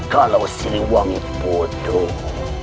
kalau siliwangi bodoh